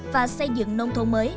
và xây dựng nông thôn mới